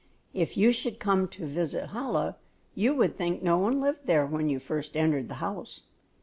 If you should come to visit Chola, you would think no one lived there when you first entered the house.